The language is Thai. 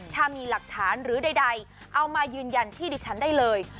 ถ้ามีหลักฐานหรือใดเอามายืนยันที่ดิฉันได้เลย